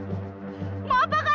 mau apa kalian pergi